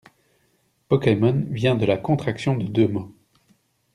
Pokemon vient de la contraction de deux mots.